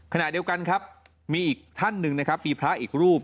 ขณะเดียวกันครับมีอีกท่านหนึ่งนะครับมีพระอีกรูป